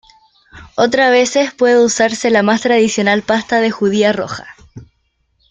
Otra veces puede usarse la más tradicional pasta de judía roja.